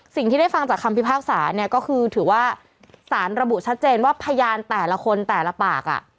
สิ่งที่ได้ฟังจากคำพิพากษาเนี่ยก็คือถือว่าสารระบุชัดเจนว่าพยานแต่ละคนแต่ละปาก